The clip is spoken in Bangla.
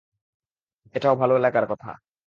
এটাও ভালোই লাগার কথা।